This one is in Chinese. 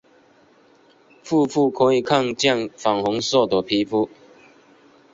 腹部可以看见粉红色的皮肤。